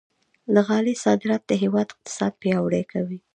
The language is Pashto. د غالۍ صادرات د هېواد اقتصاد پیاوړی کوي.